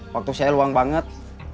waktu saya luang banget